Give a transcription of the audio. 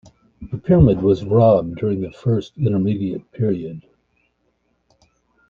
The pyramid was robbed during the First Intermediate Period.